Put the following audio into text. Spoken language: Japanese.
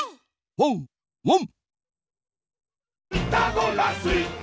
ワンワン！